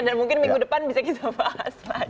dan mungkin minggu depan bisa kita bahas lagi